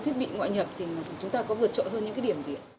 thiết bị ngoại nhập thì chúng ta có vượt trội hơn